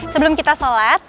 sebelum kita sholat